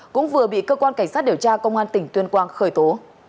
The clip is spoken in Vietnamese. cũng vừa bị cơ quan cảnh sát điều tra công an tỉnh tuyên quang khởi tố